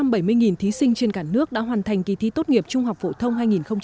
gần tám trăm bảy mươi thí sinh trên cả nước đã hoàn thành kỳ thi tốt nghiệp trung học phổ thông hai nghìn hai mươi